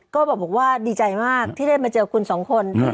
ก็บอกว่าดีใจมากที่ได้มาเจอคุณสองคน